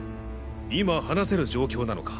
今話せる状況なのか？